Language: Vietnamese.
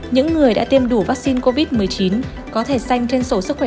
những người đã tiêm đủ vaccine covid một mươi chín có thể xanh trên sổ sức khỏe